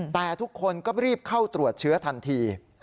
แต่ทุกคนก็รีบเข้าตรวจเชื้อทันที